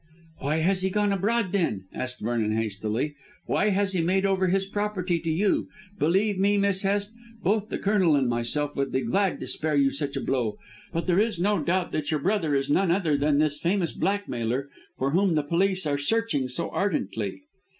"Why has he gone abroad, then?" asked Vernon hastily; "Why has he made over his property to you? Believe me, Miss Hest, both the Colonel and myself would be glad to spare you such a blow, but there is no doubt that your brother is none other than this famous blackmailer for whom the police are searching so ardently."